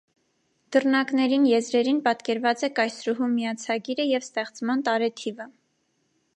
Դռնակներին եզրերին պատկերված է կայսրուհու միացագիրը և ստեղծման տարեթիվը՝ «»։